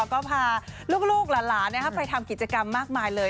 ก็พาลูกหลานไปทำกิจกรรมมากมายเลย